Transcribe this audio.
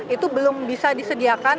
itu belum bisa disediakan